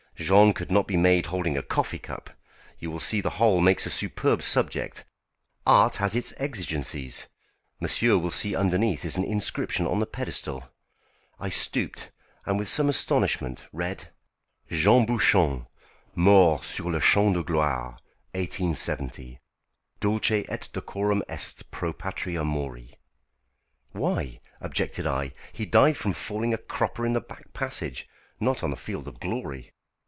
Jean could not be made holding a coffee cup. You will see the whole makes a superb subject. Art has its exigencies. Monsieur will see underneath is an inscription on the pedestal." I stooped, and with some astonishment read "JEAN BOUCHON MORT SUR LE CHAMP DE GLOIRE 1870 DULCE ET DECORUM EST PRO PATRIA MORI." "Why!" objected I, "he died from falling a cropper in the back passage, not on the field of glory."